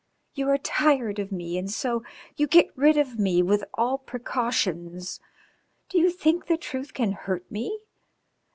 You are tired of me and so you get rid of me with all precautions. Do you think the truth can hurt me?